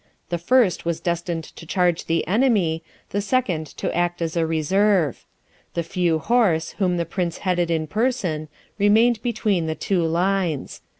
The first was destined to charge the enemy, the second to act as a reserve. The few horse, whom the Prince headed in person, remained between the two lines.